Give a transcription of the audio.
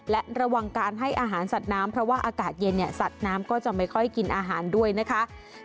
และระวังการให้อาหารสัดน้ำเพราะภาคเย็นสัดน้ำจะไม่ค่อยกินอาหารได้